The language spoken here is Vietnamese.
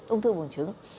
ung thư bùng trứng